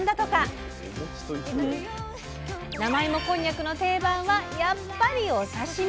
生芋こんにゃくの定番はやっぱりお刺身！